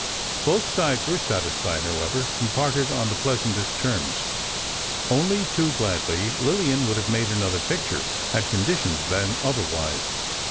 Both sides were satisfied, however, and parted on the pleasantest terms. Only too gladly, Lillian would have made another picture, had conditions been otherwise.